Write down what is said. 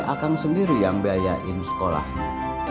akang sendiri yang biayain sekolahnya